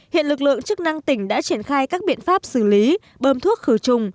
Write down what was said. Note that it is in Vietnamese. hiện lực lượng chức năng tỉnh đã triển khai các biện pháp xử lý bơm thuốc khử trùng